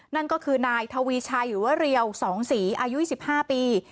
นั่นก็คือนายทวีชัยหรือว่าเรียว๒ศรีอายุ๑๕ปี